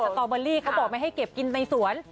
ตอเบอรี่เขาบอกไม่ให้เก็บกินในสวน